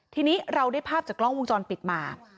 ทีนี้เราได้ภาพจากกล้องวงจรปิดมา